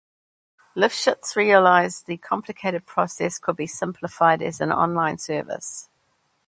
Lifshitz realized the complicated process could be simplified as an online service.